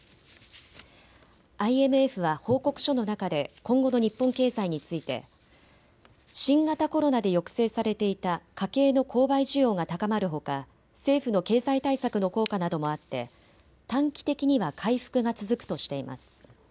ＩＭＦは報告書の中で今後の日本経済について新型コロナで抑制されていた家計の購買需要が高まるほか政府の経済対策の効果などもあって短期的には回復が続くとしています。